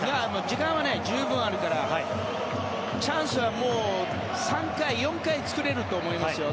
時間は十分あるからチャンスは３回、４回作れると思いますよ。